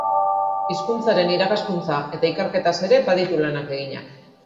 Hizkuntzaren irakaskuntza eta ikerketaz ere baditu lanak eginak.